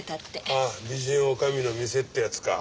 ああ美人女将の店ってやつか。